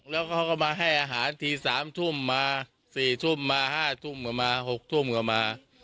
แล้วเขาก็มาให้อาหารที๓ทุ่มมา๔ทุ่มมา๕ทุ่มก็มา๖ทุ่มก็มา